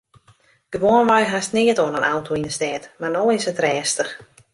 Gewoanwei hast neat oan in auto yn 'e stêd mar no is it rêstich.